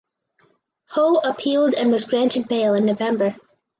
Ho appealed and was granted bail in November.